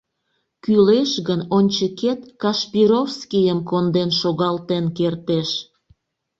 Кӱлеш гын, ончыкет Кашпировскийым конден шогалтен кертеш!